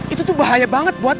itu tuh bahaya banget buat